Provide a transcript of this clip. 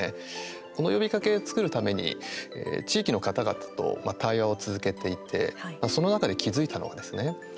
この呼びかけを作るために地域の方々と対話を続けていてその中で気付いたのがですね